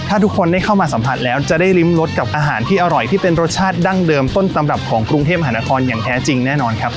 ถ้าทุกคนได้เข้ามาสัมผัสแล้วจะได้ริมรสกับอาหารที่อร่อยที่เป็นรสชาติดั้งเดิมต้นตำรับของกรุงเทพมหานครอย่างแท้จริงแน่นอนครับ